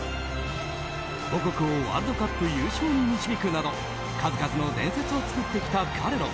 母国をワールドカップ優勝に導くなど数々の伝説を作ってきた彼の